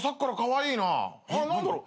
何だろう？